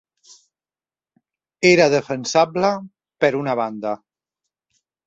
Era defensable per una banda…